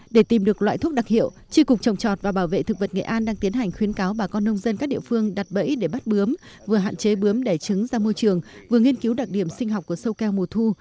để tìm được loại thuốc đặc hiệu tri cục trồng chọt và bảo vệ thực vật nghệ an đang tiến hành khuyến cáo bà con nông dân các địa phương đặt bẫy để bắt bướm vừa hạn chế bướm đẻ trứng ra môi trường vừa nghiên cứu đặc điểm sinh học của sâu keo mùa thu